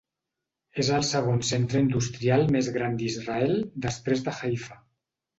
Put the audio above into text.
És el segon centre industrial més gran d'Israel després de Haifa.